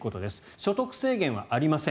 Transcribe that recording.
所得制限はありません。